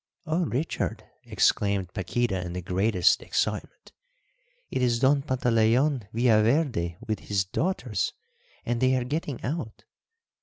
"Oh, Richard," exclaimed Paquíta in the greatest excitement, "it is Don Pantaleon Villaverde with his daughters, and they are getting out!"